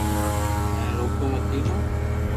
مني روڪو متي نو